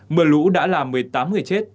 mưa lũ đã làm một mươi tám người chết